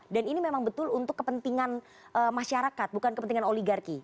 dan ini memang betul untuk kepentingan masyarakat bukan kepentingan oligarki